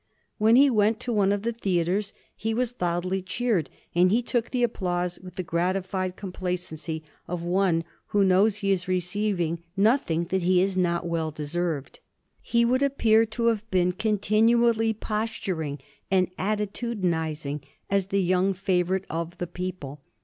When he went to one of the theatres he was loud ly cheered, and he took the applause with the gratified complacency of one who knows he is receiving nothing that he has not well deserved. He would appear to have been continually posturing and attitudinizing as the young favorite of the people.